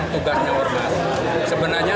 tugasnya ormas sebenarnya